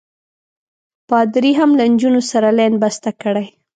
پادري هم له نجونو سره لین بسته کړی.